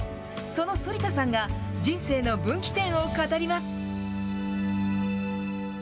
その反田さんが、人生の分岐点を語ります。